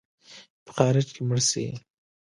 په خارج کې مړ سې.